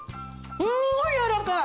すごいやわらかい！